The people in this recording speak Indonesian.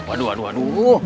aduh aduh aduh